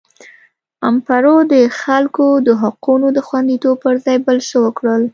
امپارو د خلکو د حقونو د خوندیتوب پر ځای بل څه وکړل.